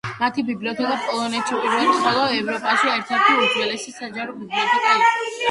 მათი ბიბლიოთეკა პოლონეთში პირველი, ხოლო ევროპაში ერთ-ერთი უძველესი საჯარო ბიბლიოთეკა იყო.